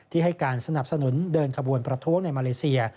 ให้การสนับสนุนเดินขบวนประท้วงในมาเลเซีย